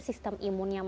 seperti perempuan you know